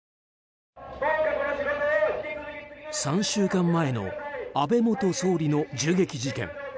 ３週間前の安倍元総理の銃撃事件。